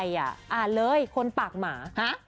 อ่านเลยหนังสือคนปากหมา